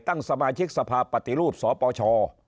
ตั้งสมาชิกสภาพปฏิรูปสปช